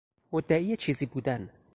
مدعی چیزی بودن